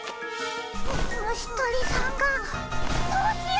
もしとりさんがどうしよう！